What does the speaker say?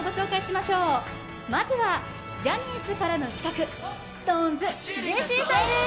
まずはジャニーズからの刺客、ＳｉｘＴＯＮＥＳ、ジェシーさんです。